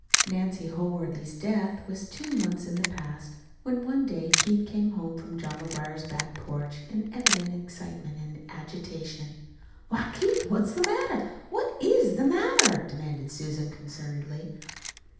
Nancy Holworthy's death was two months in the past when one day Keith came home from John McGuire's back porch in very evident excitement and agitation. "Why, Keith, what's the matter? What IS the matter?" demanded Susan concernedly.